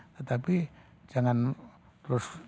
tetapi jangan perlu berpikir pikir